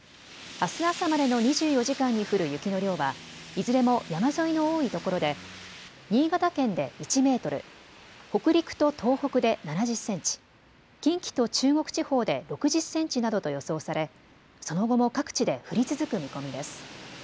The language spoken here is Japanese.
あす朝までの２４時間に降る雪の量はいずれも山沿いの多いところで新潟県で１メートル、北陸と東北で７０センチ、近畿と中国地方で６０センチなどと予想され、その後も各地で降り続く見込みです。